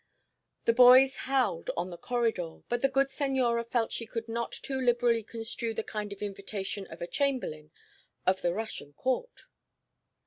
The boys howled on the corridor, but the good senora felt she could not too liberally construe the kind invitation of a chamberlain of the Russian Court.